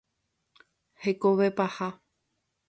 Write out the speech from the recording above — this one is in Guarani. Hekove paha.